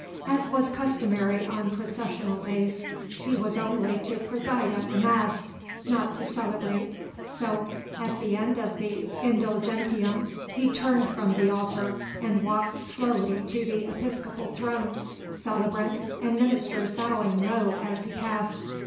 As was customary on processional days, he was only to preside at the Mass, not to celebrate, so at the end of the Indulgentiam he turned from the altar and walked slowly to the episcopal throne, celebrant and ministers bowing low as he passed.